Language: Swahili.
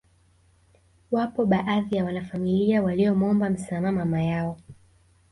Wapo baadhi ya wanafamilia waliomwomba msamaha mama yao